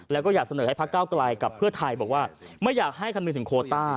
แล้วก็อยากเสนอให้พระเก้าไกลกับเพื่อไทยบอกว่าไม่อยากให้คำนึงถึงโคต้า